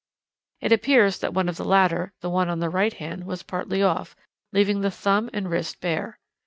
"It appears that one of the latter, the one on the right hand, was partly off, leaving the thumb and wrist bare.